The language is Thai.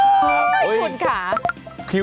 คุณค่ะ